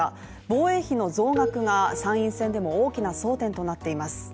防衛費の増額が参院選でも大きな争点となっています。